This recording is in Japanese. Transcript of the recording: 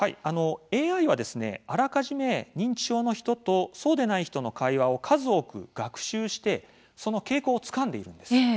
ＡＩはあらかじめ認知症の人と、そうでない人の会話を数多く学習してその傾向をつかんでいるんですね。